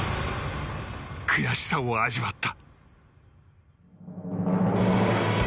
悔しさを味わった。